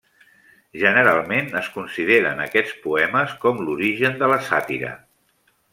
Generalment es consideren aquests poemes com l'origen de la sàtira.